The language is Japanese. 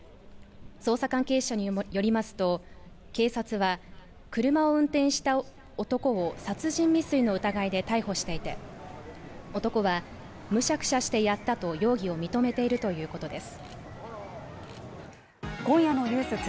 捜査関係者によりますと警察は車を運転した男を殺人未遂の疑いで逮捕していて男はむしゃくしゃしてやったと容疑を認めているということです